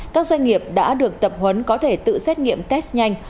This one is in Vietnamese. các doanh nghiệp đã được tập huấn có thể tự xét nghiệm test nhanh